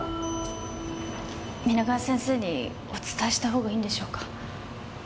皆川先生にお伝えした方がいいんでしょうか？